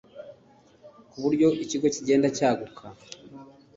ku buryo ikigo kigenda cyaguka